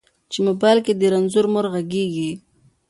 چې موبایل کې دې رنځوره مور غږیږي